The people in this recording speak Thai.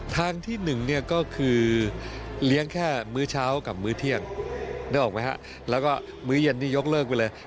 ทางที่๑เนี่ยก็คือเลี้ยงแค่มื้อเช้ากับมื้อเที่ยงนึกออกไหมฮะแล้วก็มื้อเย็นนี่ยกเลิกไปเลย